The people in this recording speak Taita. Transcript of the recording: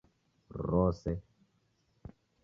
Rose